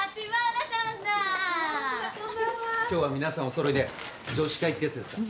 今日は皆さんお揃いで女子会ってやつですか？